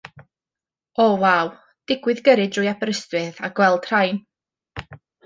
Oh waw, digwydd gyrru drwy Aberystwyth a gweld rhain.